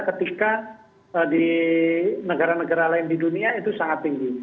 ketika di negara negara lain di dunia itu sangat tinggi